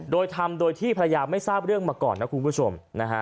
โดยทำโดยที่ภรรยาไม่ทราบเรื่องมาก่อนนะคุณผู้ชม